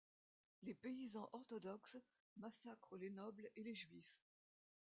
Les paysans orthodoxes massacrent les nobles et les Juifs.